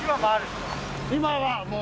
今はもう。